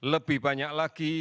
lebih banyak lagi